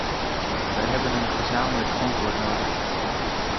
Wij hebben een gezamenlijk antwoord nodig.